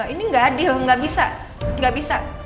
ini gak adil gak bisa